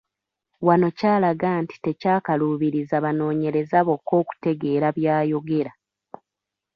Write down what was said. Wano kyalaga nti tekyakaluubiriza banoonyereza bokka okutegeera by’ayogera.